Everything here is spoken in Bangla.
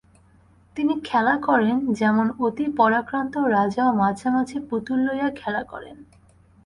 তিনি খেলা করেন, যেমন অতি পরাক্রান্ত রাজাও মাঝে মাঝে পুতুল লইয়া খেলা করেন।